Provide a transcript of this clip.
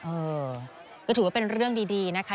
เออก็ถือว่าเป็นเรื่องดีนะคะ